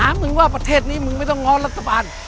มึงว่าประเทศนี้มึงไม่ต้องง้อรัฐบาล